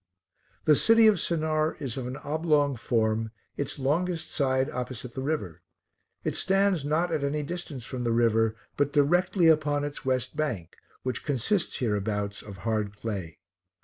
The city of Sennaar is of an oblong form, its longest side opposite the river. It stands not at any distance from the river, but directly upon its west bank, which consists hereabouts of hard clay.